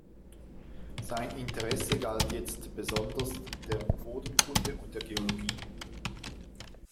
Sein Interesse galt jetzt besonders der Bodenkunde und der Geologie.